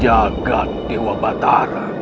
jagat dewa batara